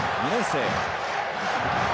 ２年生。